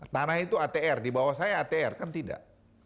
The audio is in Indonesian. tanah itu atr di bawah saya atr kan tidak